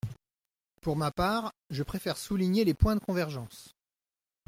Pour ma part, je préfère souligner les points de convergence.